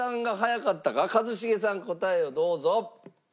一茂さん答えをどうぞ。